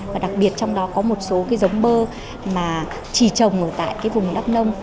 và đặc biệt trong đó có một số cái giống bơ mà chỉ trồng ở tại cái vùng đắk nông